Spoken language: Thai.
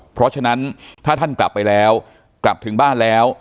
เพราะฉะนั้นถ้าท่านกลับไปแล้วกลับถึงบ้านแล้ว